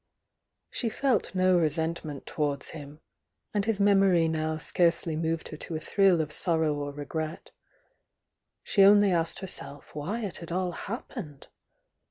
She felt no resentment towards him, and his memory now scarcely moved her to a thrill of sorrow or regret. She only asked herself why it had all happened?